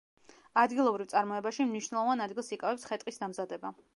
ადგილობრივ წარმოებაში მნიშვნელოვან ადგილს იკავებს ხე-ტყის დამზადება.